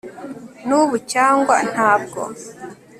nubu cyangwa ntabwo